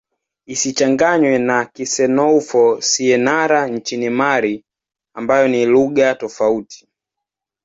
Isichanganywe na Kisenoufo-Syenara nchini Mali ambayo ni lugha tofauti.